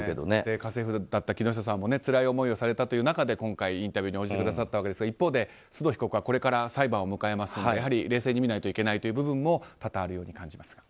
家政婦だった木下さんもつらい思いをされたという中で今回、インタビューに応じてくださったわけですが一方で、須藤被告はこれから裁判を迎えますが冷静に見ないといけない部分も多々あるように感じます。